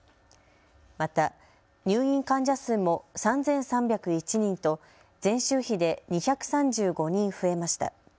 また入院患者数も３３０１人と前週比で２３５人増えました。